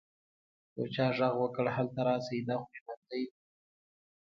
يو چا ږغ وکړ هلته راسئ دا خو ژوندى دى.